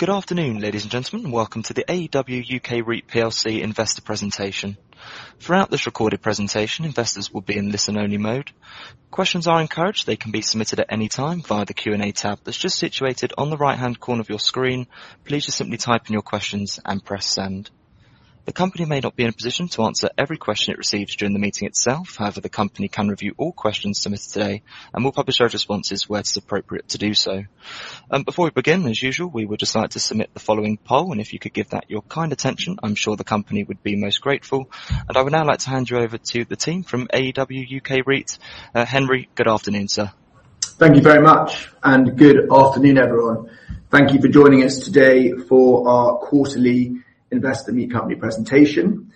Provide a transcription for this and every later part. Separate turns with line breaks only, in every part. Good afternoon, ladies and gentlemen. Welcome to the AEW UK REIT Plc Investor Presentation. Throughout this recorded presentation, investors will be in listen-only mode. Questions are encouraged. They can be submitted at any time via the Q&A tab that's just situated on the right-hand corner of your screen. Please just simply type in your questions and press send. The company may not be in a position to answer every question it receives during the meeting itself. However, the company can review all questions submitted today and will publish those responses where it's appropriate to do so. Before we begin, as usual, we would just like to submit the following poll, and if you could give that your kind attention, I'm sure the company would be most grateful. I would now like to hand you over to the team from AEW UK REIT. Henry, good afternoon, sir.
Thank you very much, and good afternoon, everyone. Thank you for joining us today for our quarterly investor meet company presentation.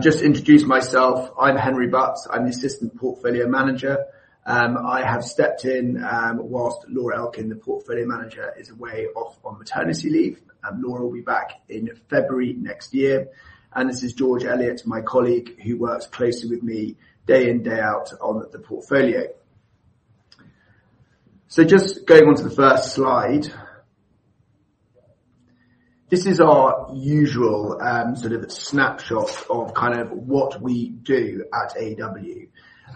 Just to introduce myself, I'm Henry Butt. I'm the assistant portfolio manager. I have stepped in whilst Laura Elkin, the Portfolio Manager, is away off on maternity leave. Laura will be back in February next year. And this is George Elliott, my colleague, who works closely with me day in, day out on the portfolio. So just going on to the first slide, this is our usual sort of snapshot of kind of what we do at AEW.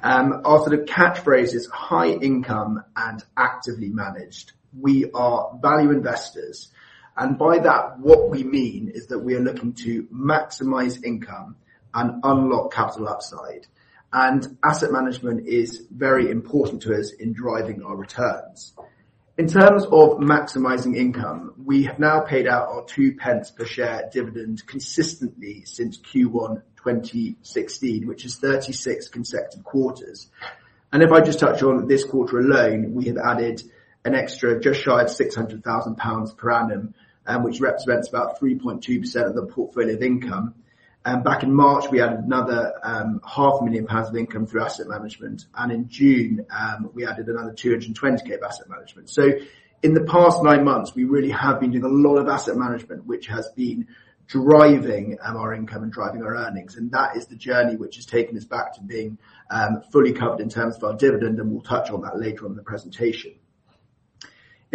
Our sort of catchphrase is high income and actively managed. We are value investors. And by that, what we mean is that we are looking to maximize income and unlock capital upside. And asset management is very important to us in driving our returns. In terms of maximizing income, we have now paid out our two pence per share dividend consistently since Q1 2016, which is 36 consecutive quarters. And if I just touch on this quarter alone, we have added an extra just shy of 600,000 pounds per annum, which represents about 3.2% of the portfolio of income. And back in March, we added another 500,000 pounds of income through asset management. And in June, we added another 220,000 of asset management. So, in the past nine months, we really have been doing a lot of asset management, which has been driving our income and driving our earnings. And that is the journey which has taken us back to being fully covered in terms of our dividend, and we'll touch on that later on in the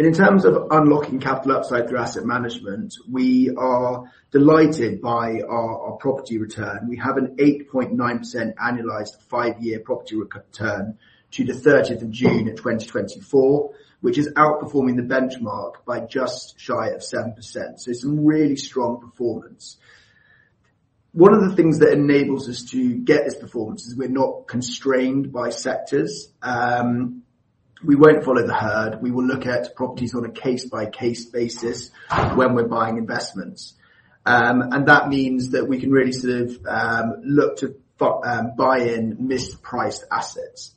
presentation. In terms of unlocking capital upside through asset management, we are delighted by our property return. We have an 8.9% annualized five-year property return to the 30th of June 2024, which is outperforming the benchmark by just shy of 7%. It's some really strong performance. One of the things that enables us to get this performance is we're not constrained by sectors. We won't follow the herd. We will look at properties on a case-by-case basis when we're buying investments. That means that we can really sort of look to buy in mispriced assets.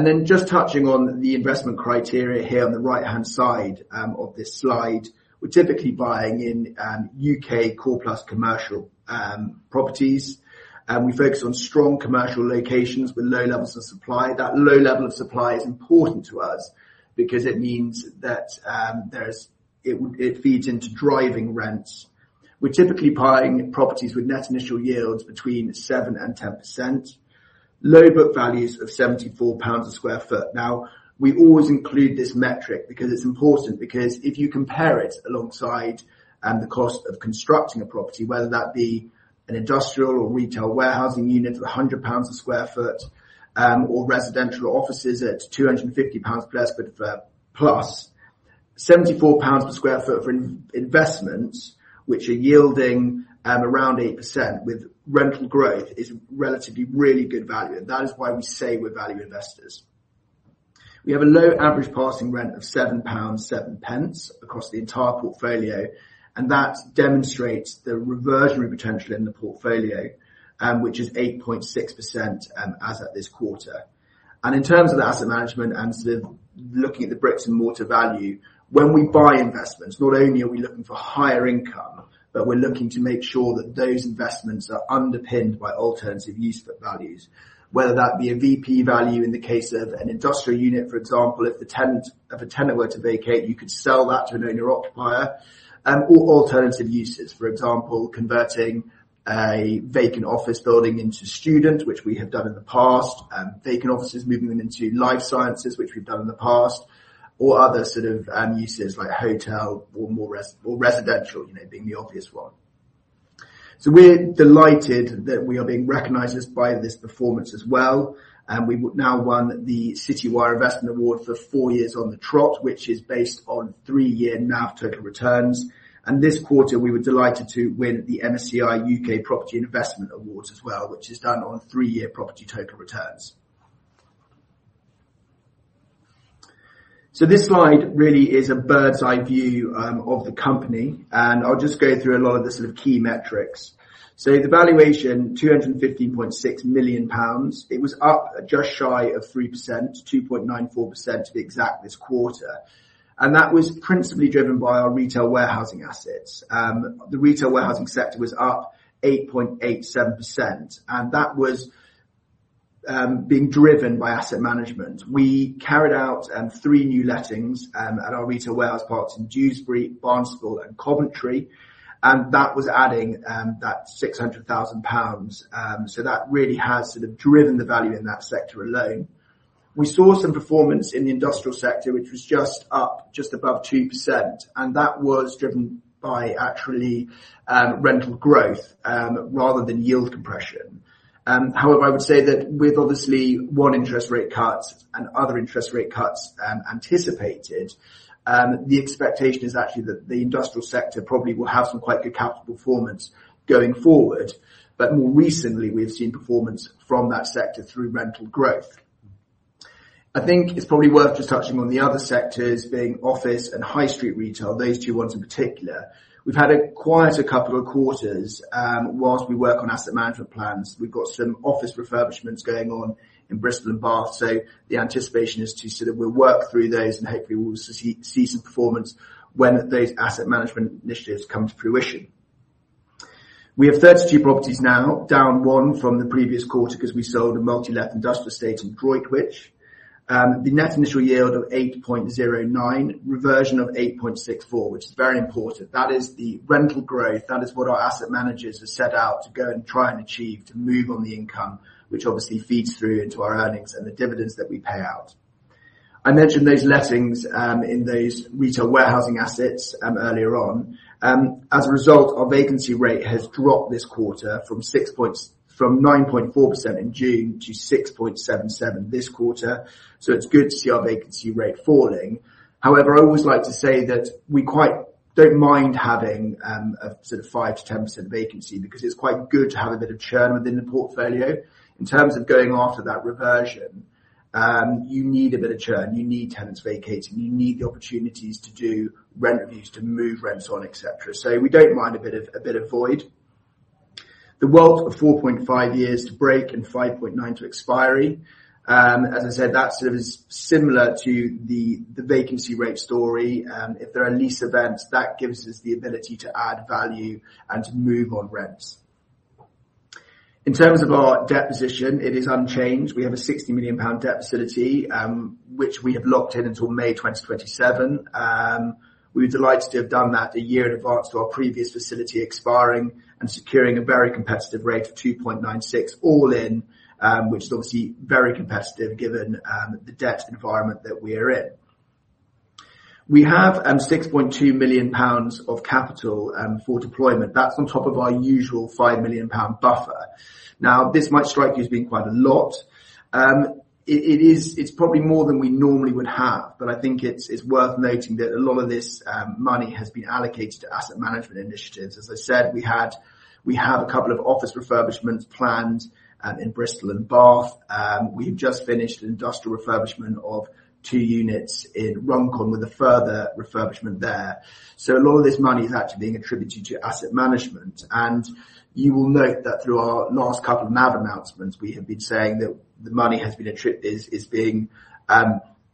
Then just touching on the investment criteria here on the right-hand side of this slide, we're typically buying in U.K. core plus commercial properties. We focus on strong commercial locations with low levels of supply. That low level of supply is important to us because it means that it feeds into driving rents. We're typically buying properties with net initial yields between 7% and 10%, low book values of 74 pounds a sq ft. Now, we always include this metric because it's important because if you compare it alongside the cost of constructing a property, whether that be an industrial or retail warehousing unit at 100 pounds a sq ft or residential offices at GBP 250+GBP 74 per sq ft for investments, which are yielding around 8% with rental growth, is relatively really good value. And that is why we say we're value investors. We have a low average passing rent of 7.07 pounds across the entire portfolio, and that demonstrates the reversionary potential in the portfolio, which is 8.6% as of this quarter. And in terms of the asset management and sort of looking at the bricks and mortar value, when we buy investments, not only are we looking for higher income, but we're looking to make sure that those investments are underpinned by alternative use values, whether that be a VP value in the case of an industrial unit, for example, if the tenant of a tenant were to vacate, you could sell that to an owner-occupier or alternative uses, for example, converting a vacant office building into students, which we have done in the past, vacant offices moving them into life sciences, which we've done in the past, or other sort of uses like hotel or residential, you know, being the obvious one. So we're delighted that we are being recognized by this performance as well. We now won the Citywire Investment Award for four years on the trot, which is based on three-year NAV total returns. And this quarter, we were delighted to win the MSCI U.K. Property Investment Award as well, which is done on three-year property total returns. So this slide really is a bird's eye view of the company, and I'll just go through a lot of the sort of key metrics. So the valuation, 215.6 million pounds, it was up just shy of 3%, 2.94% to be exact this quarter. And that was principally driven by our retail warehousing assets. The retail warehousing sector was up 8.87%, and that was being driven by asset management. We carried out three new lettings at our retail warehouse parks in Dewsbury, Barnstaple and Coventry, and that was adding that 600,000 pounds. So that really has sort of driven the value in that sector alone. We saw some performance in the industrial sector, which was just up above 2%, and that was driven by actually rental growth rather than yield compression. However, I would say that with obviously one interest rate cut and other interest rate cuts anticipated, the expectation is actually that the industrial sector probably will have some quite good capital performance going forward. But more recently, we've seen performance from that sector through rental growth. I think it's probably worth just touching on the other sectors being office and high street retail, those two ones in particular. We've had quite a couple of quarters whilst we work on asset management plans. We've got some office refurbishments going on in Bristol and Bath, so the anticipation is to sort of work through those and hopefully we'll see some performance when those asset management initiatives come to fruition. We have 32 properties now, down one from the previous quarter because we sold a multi-let industrial estate in Droitwich. The net initial yield of 8.09, reversion of 8.64, which is very important. That is the rental growth. That is what our asset managers have set out to go and try and achieve to move on the income, which obviously feeds through into our earnings and the dividends that we pay out. I mentioned those lettings in those retail warehousing assets earlier on. As a result, our vacancy rate has dropped this quarter from 9.4% in June to 6.77% this quarter. So it's good to see our vacancy rate falling. However, I always like to say that we quite don't mind having a sort of 5%-10% vacancy because it's quite good to have a bit of churn within the portfolio. In terms of going after that reversion, you need a bit of churn. You need tenants vacating. You need the opportunities to do rent reviews, to move rents on, etc. So we don't mind a bit of void. The WALT of 4.5 years to break and 5.9 to expiry. As I said, that sort of is similar to the vacancy rate story. If there are lease events, that gives us the ability to add value and to move on rents. In terms of our debt position, it is unchanged. We have a 60 million pound debt facility, which we have locked in until May 2027. We were delighted to have done that a year in advance to our previous facility, expiring and securing a very competitive rate of 2.96 all in, which is obviously very competitive given the debt environment that we are in. We have 6.2 million pounds of capital for deployment. That's on top of our usual 5 million pound buffer. Now, this might strike you as being quite a lot. It's probably more than we normally would have, but I think it's worth noting that a lot of this money has been allocated to asset management initiatives. As I said, we have a couple of office refurbishments planned in Bristol and Bath. We have just finished an industrial refurbishment of two units in Runcorn with a further refurbishment there. So a lot of this money is actually being attributed to asset management. And you will note that through our last couple of NAV announcements, we have been saying that the money has been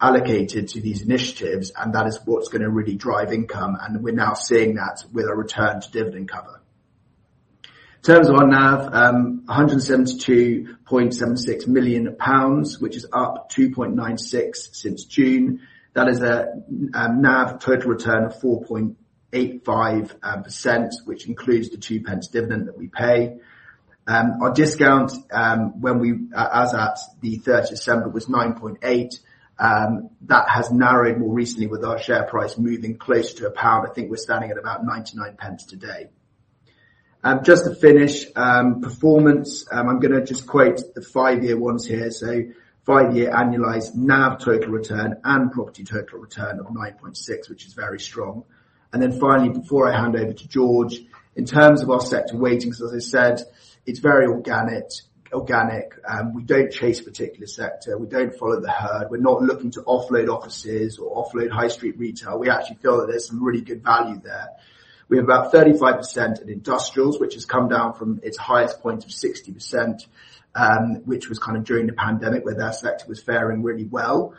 allocated to these initiatives, and that is what's going to really drive income. And we're now seeing that with our return to dividend cover. In terms of our NAV, 172.76 million pounds, which is up 2.96% since June. That is a NAV total return of 4.85%, which includes the two pence dividend that we pay. Our discount as at the 30th of December was 9.8%. That has narrowed more recently with our share price moving closer to a pound. I think we're standing at about 0.99 today. Just to finish performance, I'm going to just quote the five-year ones here. So five-year annualized NAV total return and property total return of 9.6%, which is very strong. And then finally, before I hand over to George, in terms of our sector weightings, as I said, it's very organic. We don't chase a particular sector. We don't follow the herd. We're not looking to offload offices or offload high street retail. We actually feel that there's some really good value there. We have about 35% in industrials, which has come down from its highest point of 60%, which was kind of during the pandemic where that sector was faring really well.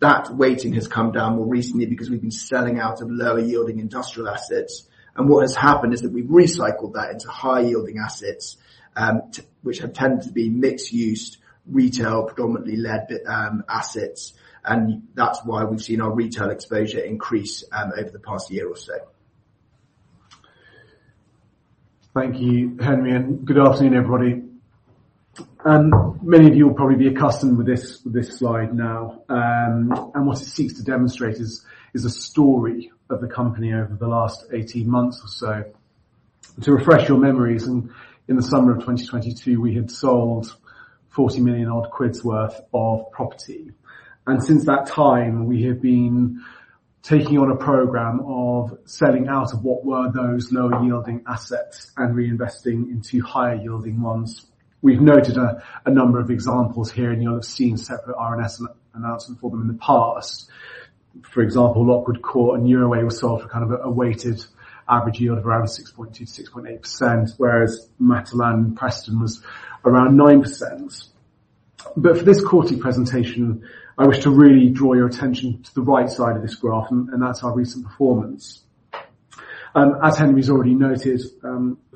That weighting has come down more recently because we've been selling out of lower yielding industrial assets, and what has happened is that we've recycled that into high yielding assets, which have tended to be mixed-use retail predominantly led assets, and that's why we've seen our retail exposure increase over the past year or so.
Thank you, Henry, and good afternoon, everybody, and many of you will probably be accustomed with this slide now. And what it seeks to demonstrate is a story of the company over the last 18 months or so. To refresh your memories, in the summer of 2022, we had sold 40 million-odd worth of property, and since that time, we have been taking on a program of selling out of what were those lower yielding assets and reinvesting into higher yielding ones. We've noted a number of examples here, and you'll have seen separate RNS announcements for them in the past. For example, Lockwood Court and Euroway were sold for kind of a weighted average yield of around 6.2%-6.8%, whereas Mattel in Preston was around 9%. But for this quarterly presentation, I wish to really draw your attention to the right side of this graph, and that's our recent performance. As Henry's already noted,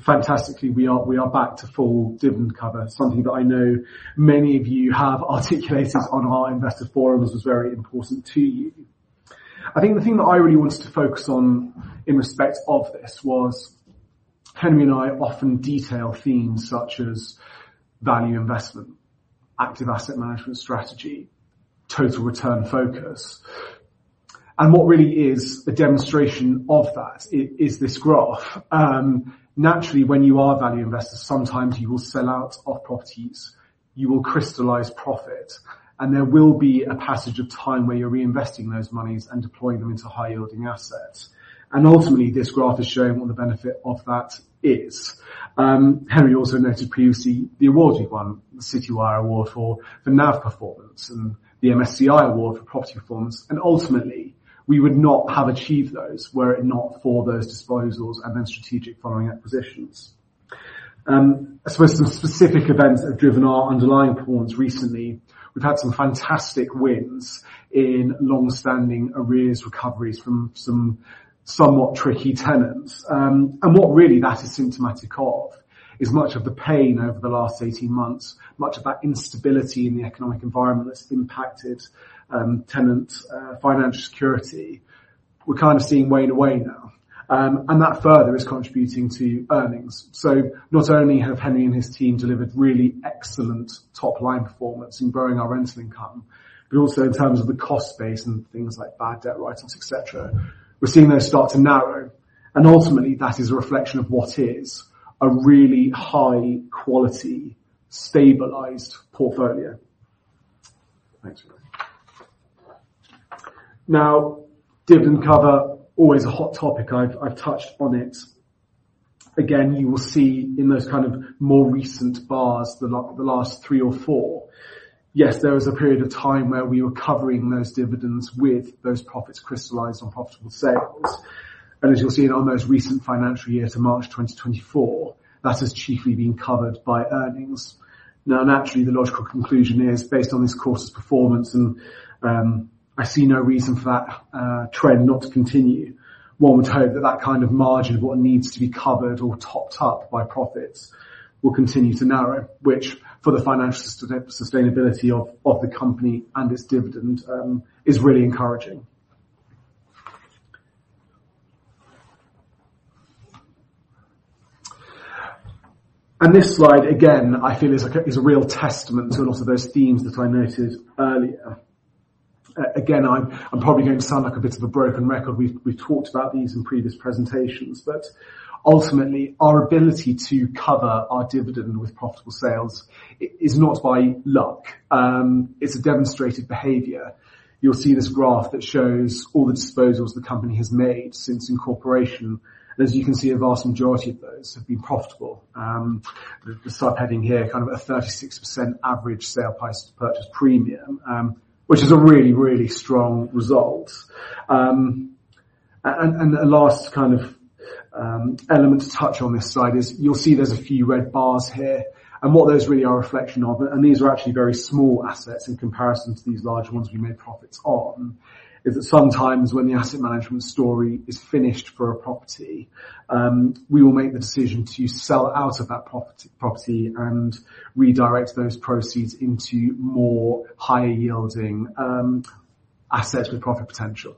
fantastically, we are back to full dividend cover, something that I know many of you have articulated on our investor forums was very important to you. I think the thing that I really wanted to focus on in respect of this was Henry and I often detail themes such as value investment, active asset management strategy, total return focus. And what really is a demonstration of that is this graph. Naturally, when you are value investors, sometimes you will sell out of properties, you will crystallize profit, and there will be a passage of time where you're reinvesting those monies and deploying them into high yielding assets. And ultimately, this graph is showing what the benefit of that is. Henry also noted previously the awards we've won, the Citywire Award for NAV performance and the MSCI Award for property performance. And ultimately, we would not have achieved those were it not for those disposals and then strategic following acquisitions. I suppose some specific events have driven our underlying performance recently. We've had some fantastic wins in long-standing arrears recoveries from some somewhat tricky tenants. And what really that is symptomatic of is much of the pain over the last 18 months, much of that instability in the economic environment that's impacted tenants' financial security. We're kind of seeing wane away now. And that further is contributing to earnings. So not only have Henry and his team delivered really excellent top-line performance in growing our rental income, but also in terms of the cost base and things like bad debt writings, etc., we're seeing those start to narrow. Ultimately, that is a reflection of what is a really high-quality, stabilized portfolio. Thanks, everybody. Now, dividend cover, always a hot topic. I've touched on it. Again, you will see in those kind of more recent bars, the last three or four, yes, there was a period of time where we were covering those dividends with those profits crystallized on profitable sales. And as you'll see in our most recent financial year to March 2024, that has chiefly been covered by earnings. Now, naturally, the logical conclusion is based on this core's performance, and I see no reason for that trend not to continue. One would hope that that kind of margin of what needs to be covered or topped up by profits will continue to narrow, which for the financial sustainability of the company and its dividend is really encouraging. This slide, again, I feel is a real testament to a lot of those themes that I noted earlier. Again, I'm probably going to sound like a bit of a broken record. We've talked about these in previous presentations, but ultimately, our ability to cover our dividend with profitable sales is not by luck. It's a demonstrated behavior. You'll see this graph that shows all the disposals the company has made since incorporation. As you can see, a vast majority of those have been profitable. The subheading here, kind of a 36% average sale price to purchase premium, which is a really, really strong result. The last kind of element to touch on this slide is you'll see there's a few red bars here. And what those really are a reflection of, and these are actually very small assets in comparison to these large ones we made profits on, is that sometimes when the asset management story is finished for a property, we will make the decision to sell out of that property and redirect those proceeds into more higher yielding assets with profit potential.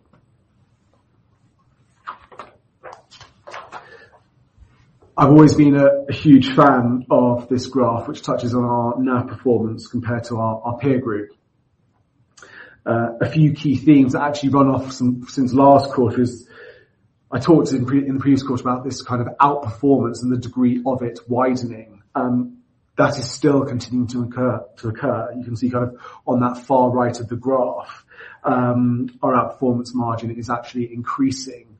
I've always been a huge fan of this graph, which touches on our NAV performance compared to our peer group. A few key themes that actually run off since last quarter is I talked in the previous quarter about this kind of outperformance and the degree of it widening. That is still continuing to occur. You can see kind of on that far right of the graph, our outperformance margin is actually increasing.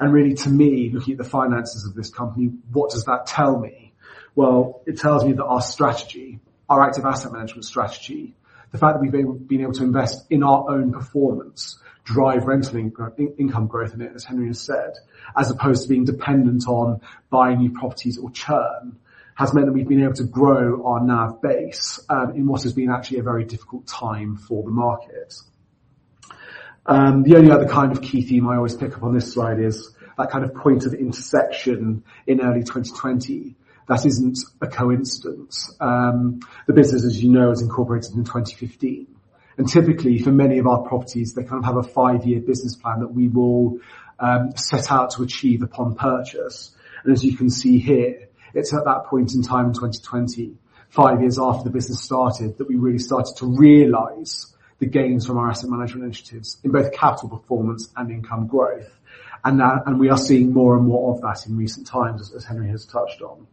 And really, to me, looking at the finances of this company, what does that tell me? It tells me that our strategy, our active asset management strategy, the fact that we've been able to invest in our own performance, drive rental income growth in it, as Henry has said, as opposed to being dependent on buying new properties or churn, has meant that we've been able to grow our NAV base in what has been actually a very difficult time for the market. The only other kind of key theme I always pick up on this slide is that kind of point of intersection in early 2020. That isn't a coincidence. The business, as you know, was incorporated in 2015. And typically, for many of our properties, they kind of have a five-year business plan that we will set out to achieve upon purchase. As you can see here, it's at that point in time in 2020, five years after the business started, that we really started to realize the gains from our asset management initiatives in both capital performance and income growth. We are seeing more and more of that in recent times, as Henry has touched on.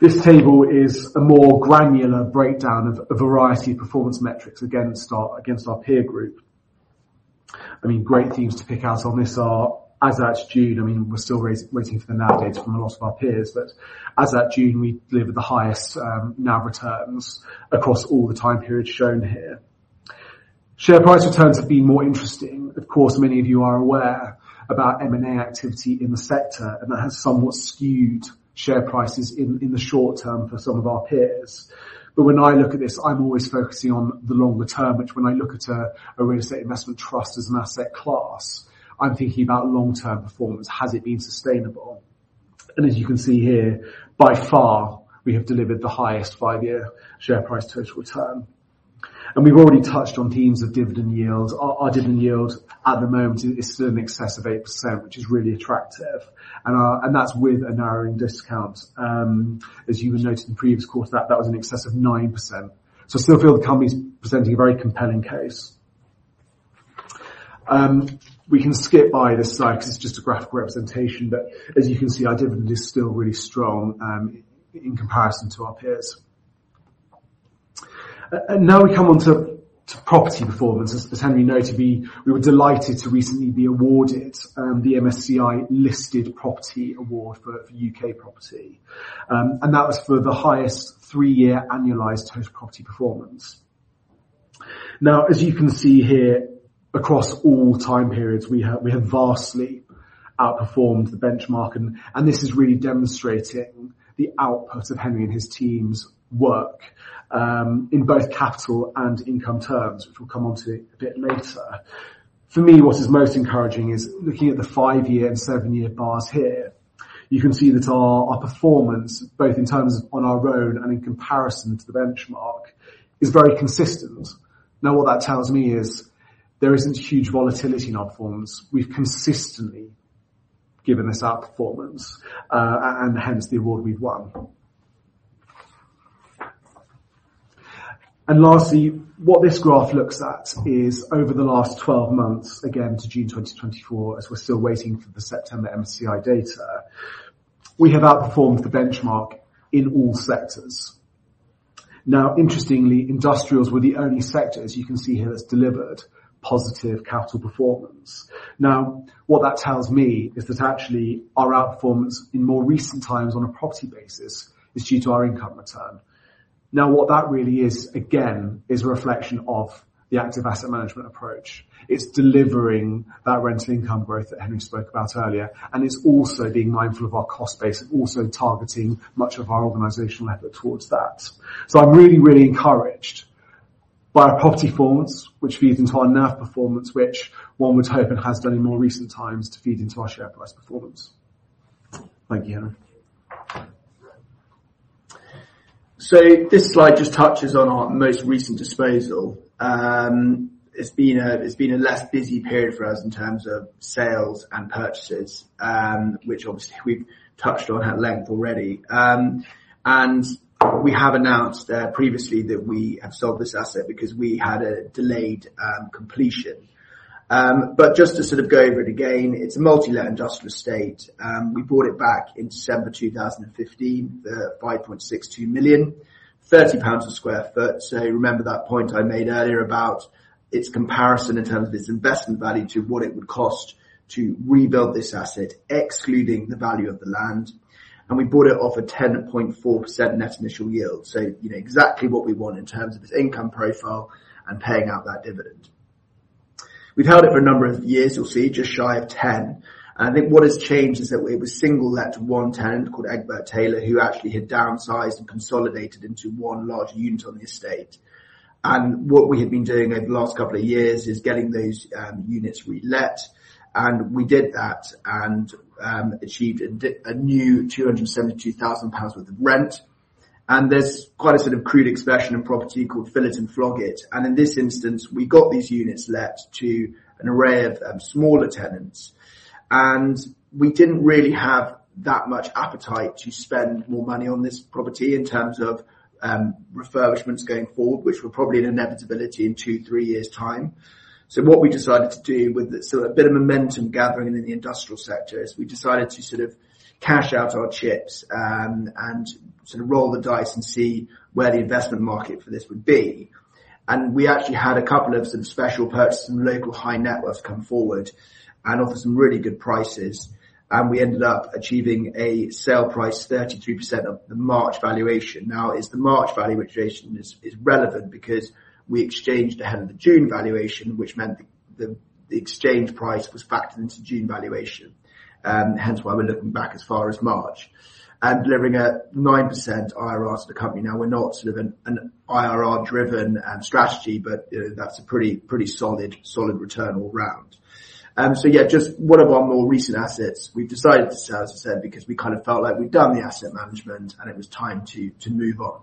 This table is a more granular breakdown of a variety of performance metrics against our peer group. I mean, great themes to pick out on this are as at June. I mean, we're still waiting for the NAV data from a lot of our peers, but as at June, we delivered the highest NAV returns across all the time periods shown here. Share price returns have been more interesting. Of course, many of you are aware about M&A activity in the sector, and that has somewhat skewed share prices in the short term for some of our peers. But when I look at this, I'm always focusing on the longer term, which when I look at a real estate investment trust as an asset class, I'm thinking about long-term performance. Has it been sustainable? And as you can see here, by far, we have delivered the highest five-year share price total return. And we've already touched on themes of dividend yield. Our dividend yield at the moment is still in excess of 8%, which is really attractive. And that's with a narrowing discount. As you were noting in previous quarter, that was in excess of 9%. So I still feel the company's presenting a very compelling case. We can skip by this slide because it's just a graphical representation, but as you can see, our dividend is still really strong in comparison to our peers. And now we come on to property performance. As Henry noted, we were delighted to recently be awarded the MSCI listed property award for U.K. property. And that was for the highest three-year annualized total property performance. Now, as you can see here, across all time periods, we have vastly outperformed the benchmark. And this is really demonstrating the output of Henry and his team's work in both capital and income terms, which we'll come on to a bit later. For me, what is most encouraging is looking at the five-year and seven-year bars here, you can see that our performance, both in terms of on our own and in comparison to the benchmark, is very consistent. Now, what that tells me is there isn't huge volatility in our performance. We've consistently given this outperformance, and hence the award we've won. And lastly, what this graph looks at is over the last 12 months, again to June 2024, as we're still waiting for the September MSCI data, we have outperformed the benchmark in all sectors. Now, interestingly, industrials were the only sectors you can see here that's delivered positive capital performance. Now, what that tells me is that actually our outperformance in more recent times on a property basis is due to our income return. Now, what that really is, again, is a reflection of the active asset management approach. It's delivering that rental income growth that Henry spoke about earlier, and it's also being mindful of our cost base and also targeting much of our organizational effort towards that. I'm really, really encouraged by our property performance, which feeds into our NAV performance, which one would hope it has done in more recent times to feed into our share price performance. Thank you, Henry.
This slide just touches on our most recent disposal. It's been a less busy period for us in terms of sales and purchases, which obviously we've touched on at length already. We have announced previously that we have sold this asset because we had a delayed completion. Just to sort of go over it again, it's a multi-let industrial estate. We bought it back in December 2015, the 5.62 million, 30 pounds a sq ft. Remember that point I made earlier about its comparison in terms of its investment value to what it would cost to rebuild this asset, excluding the value of the land. We bought it off a 10.4% net initial yield. So exactly what we want in terms of its income profile and paying out that dividend. We've held it for a number of years, you'll see, just shy of 10. I think what has changed is that it was single-let to one tenant called Egbert Taylor, who actually had downsized and consolidated into one large unit on the estate. What we had been doing over the last couple of years is getting those units relet. We did that and achieved a new 272,000 pounds worth of rent. There's quite a sort of crude expression in property called fillet and flog it. In this instance, we got these units let to an array of smaller tenants. We didn't really have that much appetite to spend more money on this property in terms of refurbishments going forward, which were probably an inevitability in two, three years' time. What we decided to do with sort of a bit of momentum gathering in the industrial sector is we decided to sort of cash out our chips and sort of roll the dice and see where the investment market for this would be. We actually had a couple of special purchasers from local high-net-worth come forward and offered some really good prices. We ended up achieving a sale price of 33% of the March valuation. Now, it's the March valuation that is relevant because we exchanged ahead of the June valuation, which meant the exchange price was factored into June valuation. Hence why we're looking back as far as March. Delivering a 9% IRR to the company. Now, we're not sort of an IRR-driven strategy, but that's a pretty solid return all round. Yeah, just one of our more recent assets. We've decided to sell, as I said, because we kind of felt like we'd done the asset management and it was time to move on.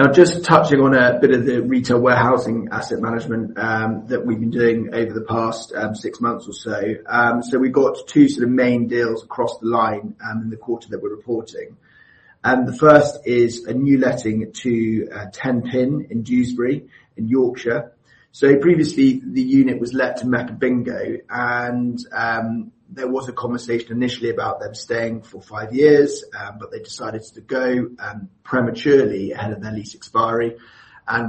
Now, just touching on a bit of the retail warehousing asset management that we've been doing over the past six months or so. We got two sort of main deals across the line in the quarter that we're reporting. The first is a new letting to Tenpin in Dewsbury in Yorkshire. Previously, the unit was let to Mecca Bingo, and there was a conversation initially about them staying for five years, but they decided to go prematurely ahead of their lease expiry.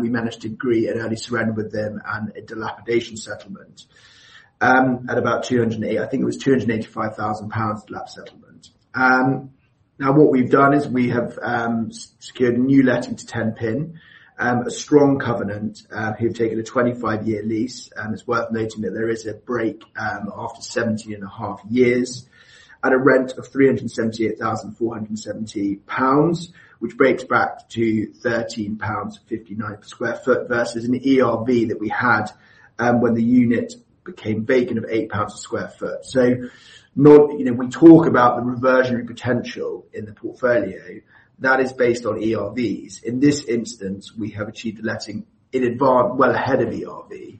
We managed to agree an early surrender with them and a dilapidation settlement at about 285,000 pounds, dilapidation settlement. Now, what we've done is we have secured a new letting to Tenpin, a strong covenant. We've taken a 25-year lease. It's worth noting that there is a break after 17 and a half years at a rent of 378,470 pounds, which breaks back to 13.59 pounds per sq ft versus an ERV that we had when the unit became vacant of 8 pounds a sq ft. So we talk about the reversionary potential in the portfolio that is based on ERVs. In this instance, we have achieved the letting well ahead of ERV.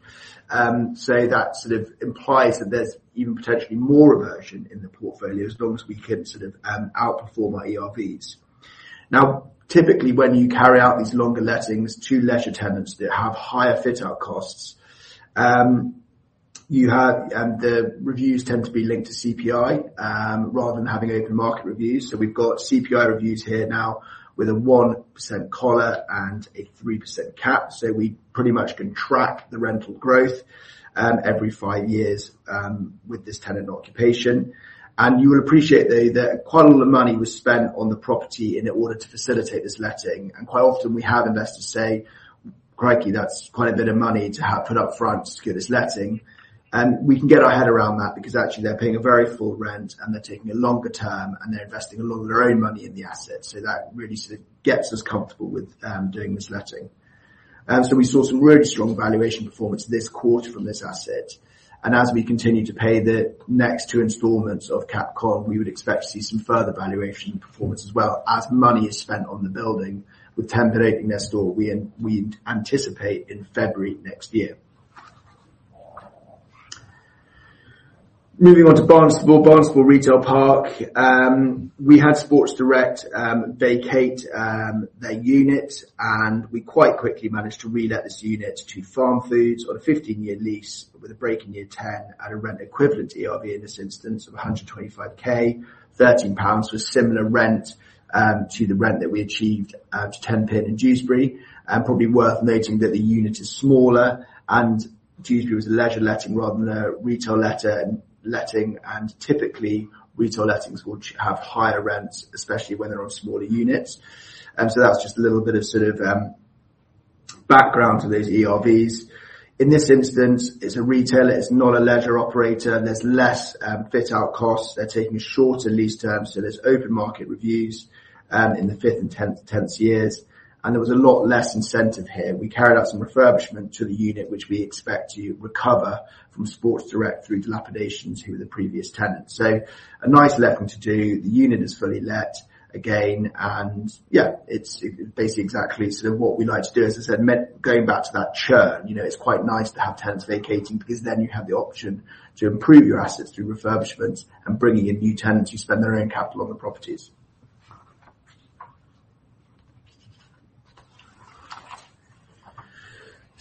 So that sort of implies that there's even potentially more reversion in the portfolio as long as we can sort of outperform our ERVs. Now, typically, when you carry out these longer lettings to lesser tenants that have higher fit-out costs, the reviews tend to be linked to CPI rather than having open market reviews. So we've got CPI reviews here now with a 1% collar and a 3% cap. So we pretty much can track the rental growth every five years with this tenant occupation. And you will appreciate, though, that quite a lot of money was spent on the property in order to facilitate this letting. And quite often, we have investors say, "Crikey, that's quite a bit of money to put up front to secure this letting." And we can get our head around that because actually they're paying a very full rent and they're taking a longer term and they're investing a lot of their own money in the asset. That really sort of gets us comfortable with doing this letting. We saw some really strong valuation performance this quarter from this asset. As we continue to pay the next two installments of CapCon, we would expect to see some further valuation performance as well as money is spent on the building with Tenpin opening their store we anticipate in February next year. Moving on to Barnstaple, Barnstaple Retail Park. We had Sports Direct vacate their unit, and we quite quickly managed to relet this unit to Farmfoods on a 15-year lease with a break in year 10 at a rent equivalent ERV in this instance of 125,000 pounds, 130,000 pounds for similar rent to the rent that we achieved to Tenpin in Dewsbury and probably worth noting that the unit is smaller and Dewsbury was a leisure letting rather than a retail letting. Typically, retail lettings will have higher rents, especially when they're on smaller units. That's just a little bit of sort of background to those ERVs. In this instance, it's a retailer. It's not a leisure operator. There's less fit-out costs. They're taking shorter lease terms. There's open market reviews in the fifth and tenth years. There was a lot less incentive here. We carried out some refurbishment to the unit, which we expect to recover from Sports Direct through dilapidations to the previous tenant. A nice letting to do. The unit is fully let again. Yeah, it's basically exactly sort of what we like to do. As I said, going back to that churn, it's quite nice to have tenants vacating because then you have the option to improve your assets through refurbishments and bringing in new tenants who spend their own capital on the properties.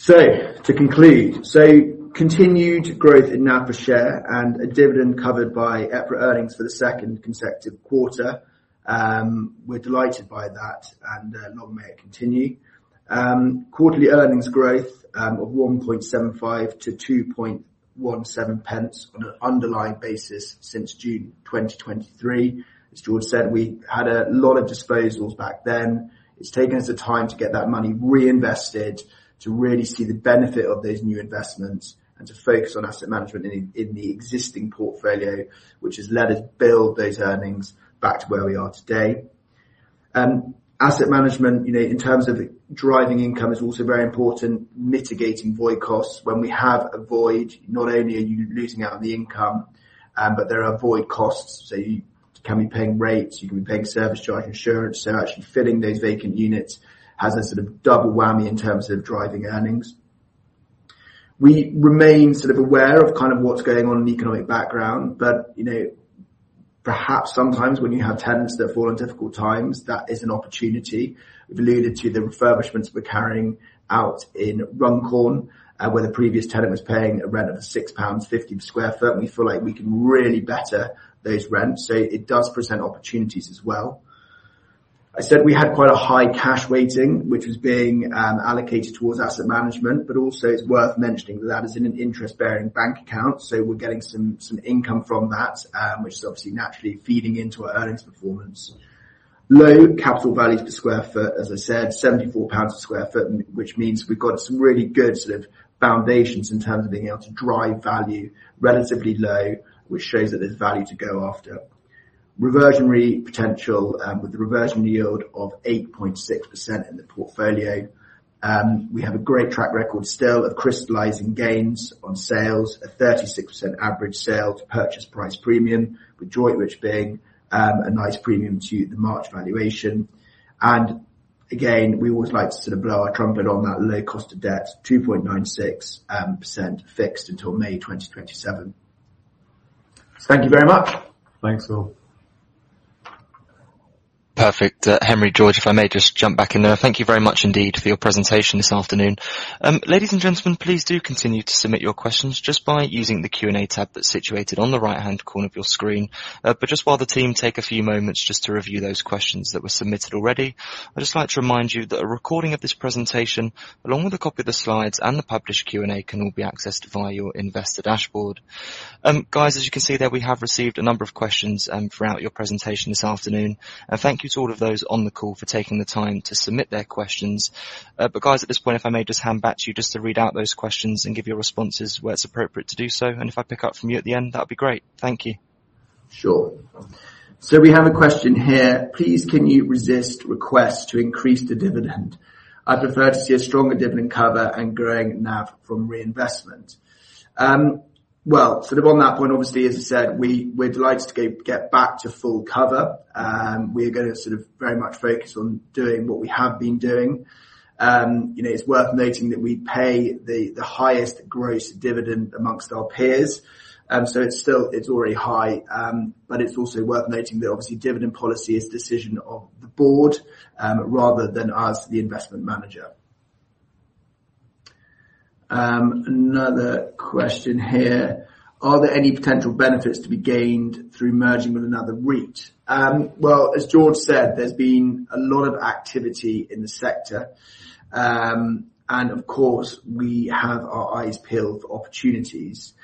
So to conclude, continued growth in NAV per share and a dividend covered by EPRA earnings for the second consecutive quarter. We're delighted by that and long may it continue. Quarterly earnings growth of 0.0175-0.0217 on an underlying basis since June 2023. As George said, we had a lot of disposals back then. It's taken us a time to get that money reinvested to really see the benefit of those new investments and to focus on asset management in the existing portfolio, which has led us to build those earnings back to where we are today. Asset management, in terms of driving income, is also very important. Mitigating void costs. When we have a void, not only are you losing out on the income, but there are void costs. So you can be paying rates. You can be paying service charge, insurance. So actually filling those vacant units has a sort of double whammy in terms of driving earnings. We remain sort of aware of kind of what's going on in the economic background, but perhaps sometimes when you have tenants that fall in difficult times, that is an opportunity. We've alluded to the refurbishments we're carrying out in Runcorn where the previous tenant was paying a rent of 6.50 pounds per sq ft. We feel like we can really better those rents. So it does present opportunities as well. I said we had quite a high cash weighting, which was being allocated towards asset management, but also it's worth mentioning that that is in an interest-bearing bank account. So we're getting some income from that, which is obviously naturally feeding into our earnings performance. Low capital values per sq ft, as I said, 74 pounds sq ft, which means we've got some really good sort of foundations in terms of being able to drive value relatively low, which shows that there's value to go after. Reversionary potential with a reversion yield of 8.6% in the portfolio. We have a great track record still of crystallizing gains on sales, a 36% average sale to purchase price premium, with Droitwich being a nice premium to the March valuation. And again, we always like to sort of blow our trumpet on that low cost of debt, 2.96% fixed until May 2027.
Thank you very much.
Thank you.
Perfect. Henry, George, if I may just jump back in there. Thank you very much indeed for your presentation this afternoon. Ladies and gentlemen, please do continue to submit your questions just by using the Q&A tab that's situated on the right-hand corner of your screen. But just while the team take a few moments just to review those questions that were submitted already, I'd just like to remind you that a recording of this presentation, along with a copy of the slides and the published Q&A, can all be accessed via your investor dashboard. Guys, as you can see there, we have received a number of questions throughout your presentation this afternoon. And thank you to all of those on the call for taking the time to submit their questions. But guys, at this point, if I may just hand back to you just to read out those questions and give your responses where it's appropriate to do so. And if I pick up from you at the end, that would be great. Thank you.
Sure. So we have a question here. Please, can you resist requests to increase the dividend? I prefer to see a stronger dividend cover and growing NAV from reinvestment. Well, sort of on that point, obviously, as I said, we're delighted to get back to full cover. We are going to sort of very much focus on doing what we have been doing. It's worth noting that we pay the highest gross dividend amongst our peers. So it's already high, but it's also worth noting that obviously dividend policy is a decision of the board rather than us, the investment manager. Another question here. Are there any potential benefits to be gained through merging with another REIT? Well, as George said, there's been a lot of activity in the sector. And of course, we have our eyes peeled for opportunities.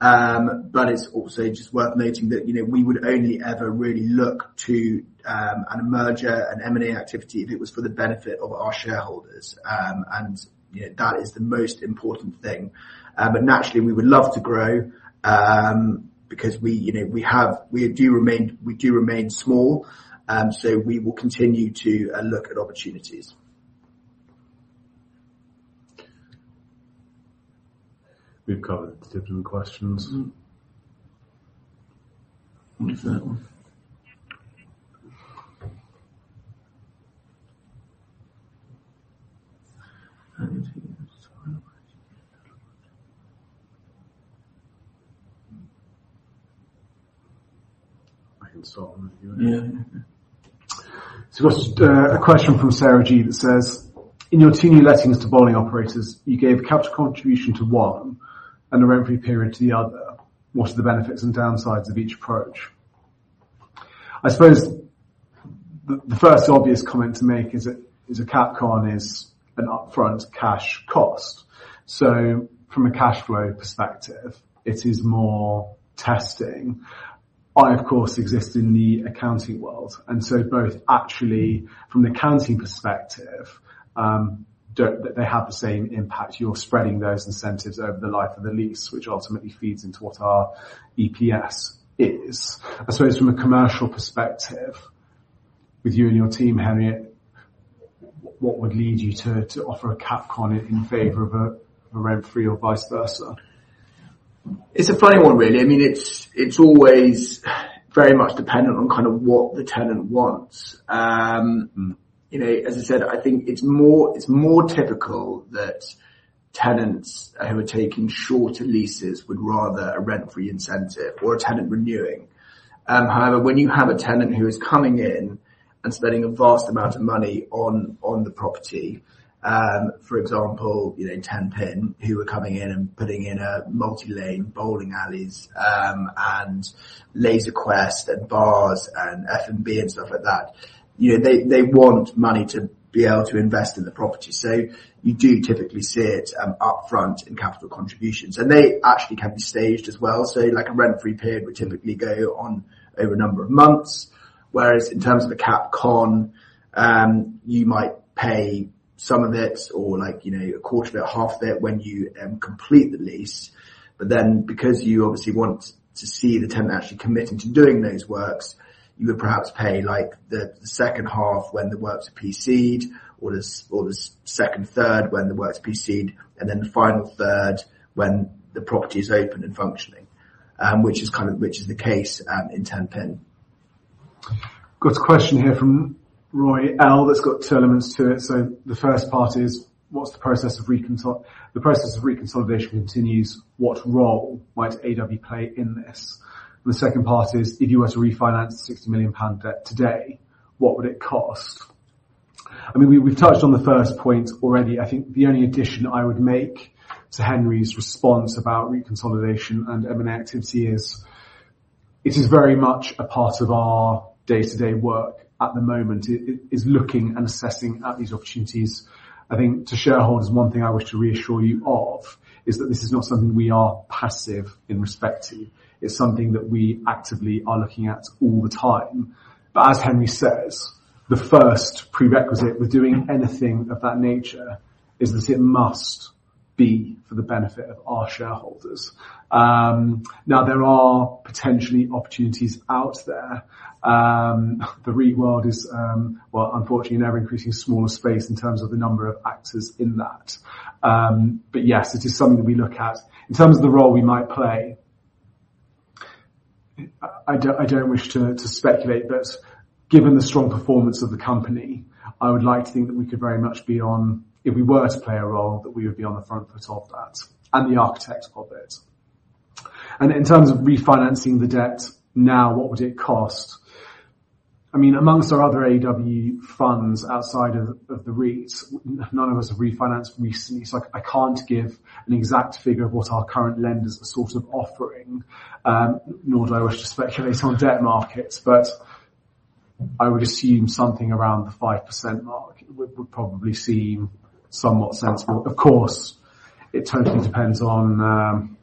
But it's also just worth noting that we would only ever really look to a merger, an M&A activity if it was for the benefit of our shareholders. And that is the most important thing. But naturally, we would love to grow because we do remain small. So we will continue to look at opportunities.
We've covered the different questions.
What is that one? I can sort them with you.
Yeah. So we've got a question from Sarah G that says, "In your two new lettings to bowling operators, you gave capital contribution to one and a rent-free period to the other. What are the benefits and downsides of each approach?" I suppose the first obvious comment to make is that CapCon is an upfront cash cost. So from a cash flow perspective, it is more taxing. I, of course, exist in the accounting world, and so both actually from the accounting perspective, they have the same impact. You're spreading those incentives over the life of the lease, which ultimately feeds into what our EPS is. I suppose from a commercial perspective, with you and your team, Henry, what would lead you to offer a CapCon in favor of a rent-free or vice versa?
It's a funny one, really. I mean, it's always very much dependent on kind of what the tenant wants. As I said, I think it's more typical that tenants who are taking shorter leases would rather a rent-free incentive or a tenant renewing. However, when you have a tenant who is coming in and spending a vast amount of money on the property, for example, Tenpin, who are coming in and putting in a multi-lane bowling alleys and Laser Quest and bars and F&B and stuff like that, they want money to be able to invest in the property. So you do typically see it upfront in capital contributions. And they actually can be staged as well. So a rent-free period would typically go on over a number of months. Whereas in terms of the CapCon, you might pay some of it or a quarter of it, half of it when you complete the lease. But then because you obviously want to see the tenant actually committing to doing those works, you would perhaps pay the second half when the works are proceeded or the second third when the works are proceeded, and then the final third when the property is open and functioning, which is the case in Tenpin.
Got a question here from Roy El that's got two elements to it. So the first part is, what's the process of reconsolidation? The process of reconsolidation continues. What role might AEW play in this? And the second part is, if you were to refinance a 60 million pound debt today, what would it cost? I mean, we've touched on the first point already. I think the only addition I would make to Henry's response about reconsolidation and M&A activity is it is very much a part of our day-to-day work at the moment is looking and assessing at these opportunities. I think to shareholders, one thing I wish to reassure you of is that this is not something we are passive in respect to. It's something that we actively are looking at all the time. But as Henry says, the first prerequisite for doing anything of that nature is that it must be for the benefit of our shareholders. Now, there are potentially opportunities out there. The REIT world is, well, unfortunately, an ever-increasing smaller space in terms of the number of actors in that. But yes, it is something that we look at. In terms of the role we might play, I don't wish to speculate, but given the strong performance of the company, I would like to think that we could very much be on, if we were to play a role, that we would be on the front foot of that and the architect of it, and in terms of refinancing the debt now, what would it cost? I mean, among our other AEW funds outside of the REITs, none of us have refinanced recently, so I can't give an exact figure of what our current lenders are sort of offering, nor do I wish to speculate on debt markets, but I would assume something around the 5% mark would probably seem somewhat sensible. Of course, it totally depends on,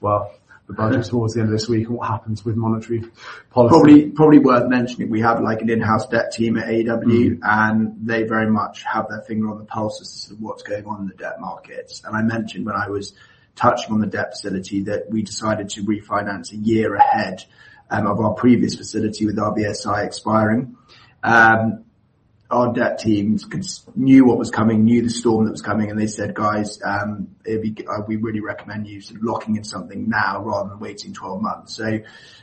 well, the budget towards the end of this week and what happens with monetary policy.
Probably worth mentioning, we have an in-house debt team at AEW, and they very much have their finger on the pulse as to what's going on in the debt markets. And I mentioned when I was touching on the debt facility that we decided to refinance a year ahead of our previous facility with RBSI expiring. Our debt teams knew what was coming, knew the storm that was coming, and they said, "Guys, we really recommend you sort of locking in something now rather than waiting 12 months." So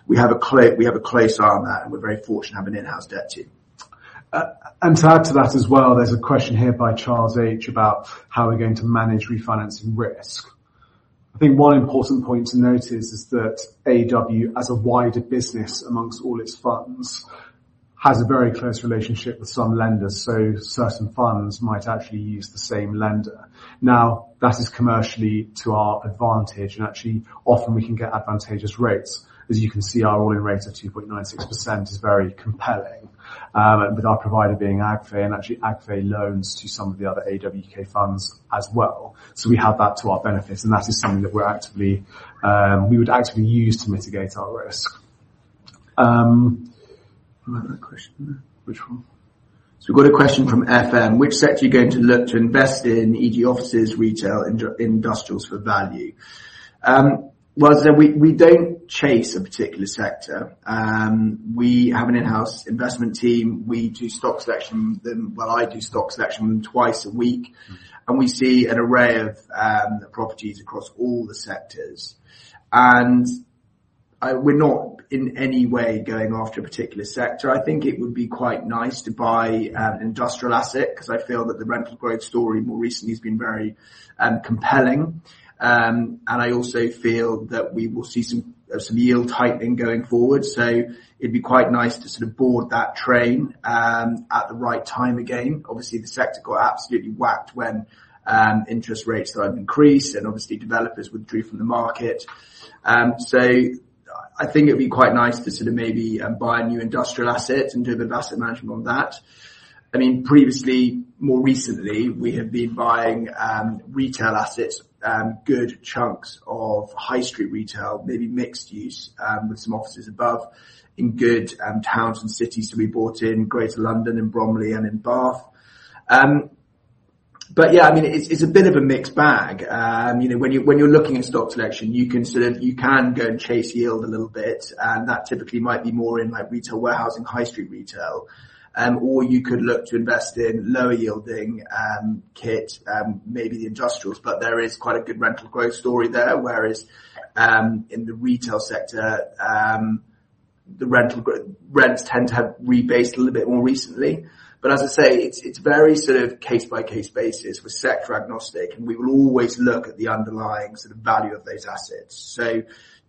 we have a close eye on that, and we're very fortunate to have an in-house debt team.
And to add to that as well, there's a question here by Charles H about how we're going to manage refinancing risk. I think one important point to note is that AEW, as a wider business amongst all its funds, has a very close relationship with some lenders. So certain funds might actually use the same lender. Now, that is commercially to our advantage. And actually, often we can get advantageous rates. As you can see, our all-in rate of 2.96% is very compelling, with our provider being AgFe, and actually, AgFe loans to some of the other AEW UK funds as well. So we have that to our benefit. And that is something that we would actively use to mitigate our risk. Another question.
So we've got a question from FM. Which sector are you going to look to invest in? e.g. offices, retail, industrials for value? Well, we don't chase a particular sector. We have an in-house investment team. We do stock selection. Well, I do stock selection twice a week. And we see an array of properties across all the sectors. And we're not in any way going after a particular sector. I think it would be quite nice to buy an industrial asset because I feel that the rental growth story more recently has been very compelling. And I also feel that we will see some yield tightening going forward. So it'd be quite nice to sort of board that train at the right time again. Obviously, the sector got absolutely whacked when interest rates started to increase, and obviously, developers withdrew from the market. So I think it would be quite nice to sort of maybe buy a new industrial asset and do a bit of asset management on that. I mean, more recently, we have been buying retail assets, good chunks of high street retail, maybe mixed use with some offices above in good towns and cities. So we bought in Greater London and Bromley and in Bath. But yeah, I mean, it's a bit of a mixed bag. When you're looking at stock selection, you can go and chase yield a little bit. And that typically might be more in retail warehousing, high street retail. Or you could look to invest in lower yielding kit, maybe the industrials. But there is quite a good rental growth story there. Whereas in the retail sector, the rents tend to have rebased a little bit more recently. But as I say, it's very sort of case-by-case basis. We're sector agnostic, and we will always look at the underlying sort of value of those assets. So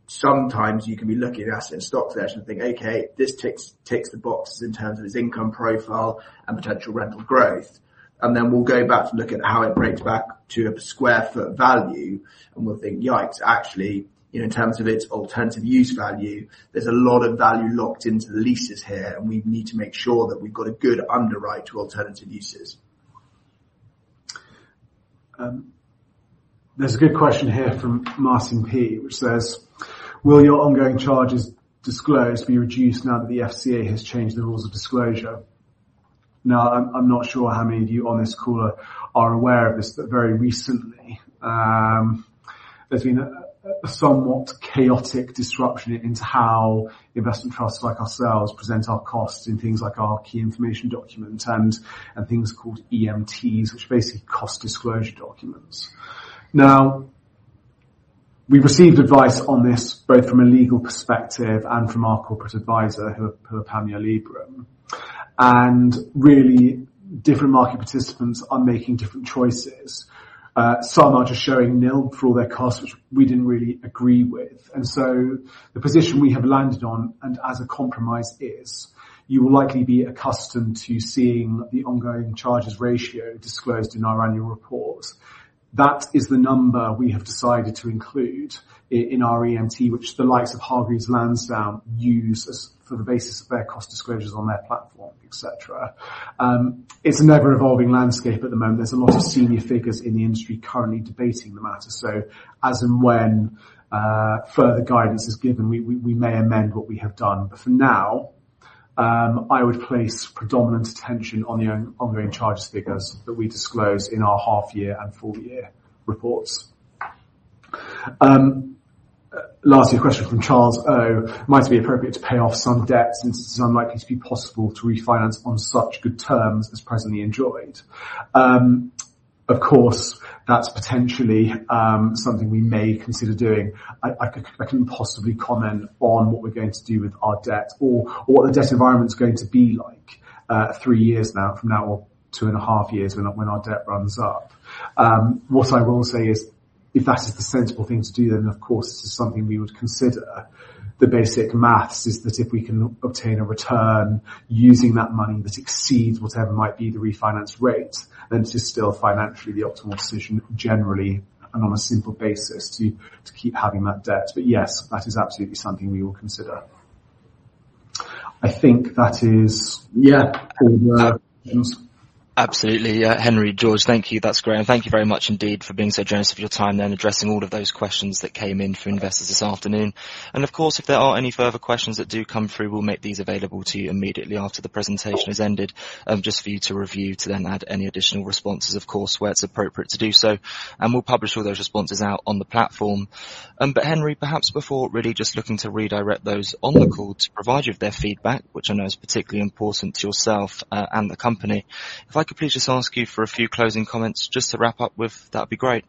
sometimes you can be looking at asset and stock selection and think, "Okay, this ticks the boxes in terms of its income profile and potential rental growth." And then we'll go back to look at how it breaks back to a square foot value, and we'll think, "Yikes, actually, in terms of its alternative use value, there's a lot of value locked into the leases here, and we need to make sure that we've got a good underwrite to alternative uses."
There's a good question here from Martin P., which says, "Will your ongoing charges disclosure be reduced now that the FCA has changed the rules of disclosure?" Now, I'm not sure how many of you on this call are aware of this, but very recently, there's been a somewhat chaotic disruption into how investment trusts like ourselves present our costs in things like our key information document and things called EMTs, which are basically cost disclosure documents. Now, we've received advice on this both from a legal perspective and from our corporate advisor, Panmure Liberum, and really, different market participants are making different choices. Some are just showing nil for all their costs, which we didn't really agree with, and so the position we have landed on and as a compromise is, you will likely be accustomed to seeing the Ongoing Charges Ratio disclosed in our annual reports. That is the number we have decided to include in our EMT, which the likes of Hargreaves Lansdown use for the basis of their cost disclosures on their platform, etc. It's an ever-evolving landscape at the moment. There's a lot of senior figures in the industry currently debating the matter, so as and when further guidance is given, we may amend what we have done. But for now, I would place predominant attention on the ongoing charges figures that we disclose in our half-year and full-year reports. Lastly, a question from Charles O. It might be appropriate to pay off some debts, and it is unlikely to be possible to refinance on such good terms as presently enjoyed. Of course, that's potentially something we may consider doing. I can possibly comment on what we're going to do with our debt or what the debt environment is going to be like three years from now or two and a half years when our debt runs up. What I will say is, if that is the sensible thing to do, then of course, it is something we would consider. The basic math is that if we can obtain a return using that money that exceeds whatever might be the refinance rate, then it is still financially the optimal decision generally and on a simple basis to keep having that debt. But yes, that is absolutely something we will consider. I think that is all the questions.
Absolutely. Henry, George, thank you. That's great. And thank you very much indeed for being so generous of your time and addressing all of those questions that came in for investors this afternoon. And of course, if there are any further questions that do come through, we'll make these available to you immediately after the presentation has ended, just for you to review to then add any additional responses, of course, where it's appropriate to do so. And we'll publish all those responses out on the platform. But Henry, perhaps before really just looking to redirect those on the call to provide you with their feedback, which I know is particularly important to yourself and the company, if I could please just ask you for a few closing comments just to wrap up with, that would be great.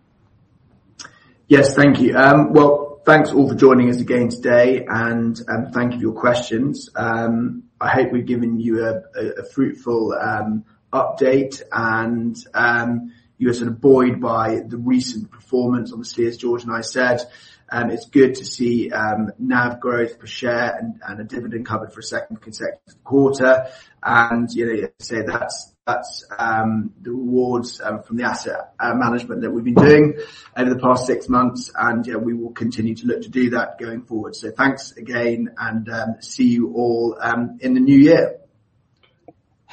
Yes, thank you. Well, thanks all for joining us again today, and thank you for your questions. I hope we've given you a fruitful update and you are sort of buoyed by the recent performance. Obviously, as George and I said, it's good to see NAV growth per share and a dividend cover for a second consecutive quarter. And I'd say that's the rewards from the asset management that we've been doing over the past six months. And yeah, we will continue to look to do that going forward. So thanks again, and see you all in the new year.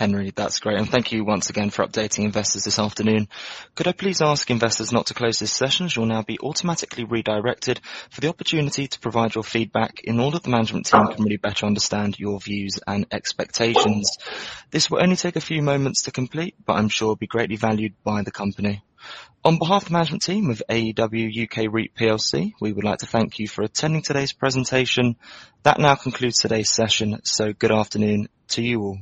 Henry, that's great. And thank you once again for updating investors this afternoon. Could I please ask investors not to close this session? You'll now be automatically redirected for the opportunity to provide your feedback in order the management team can really better understand your views and expectations. This will only take a few moments to complete, but I'm sure it will be greatly valued by the company. On behalf of the management team of AEW UK REIT plc, we would like to thank you for attending today's presentation. That now concludes today's session. So good afternoon to you all.